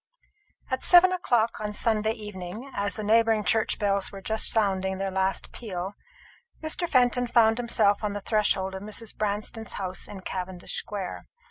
At seven o'clock on Sunday evening, as the neighbouring church bells were just sounding their last peal, Mr. Fenton found himself on the threshold of Mrs. Branston's house in Cavendish square.